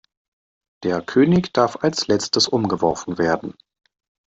Der König darf erst als Letztes umgeworfen werden.